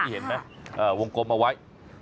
เห็นไหมวงกลมเอาไว้